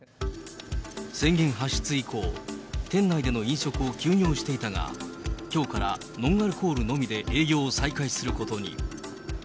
宣言発出以降、店内での飲食を休業していたが、きょうからノンアルコールのみで営業を再開することに。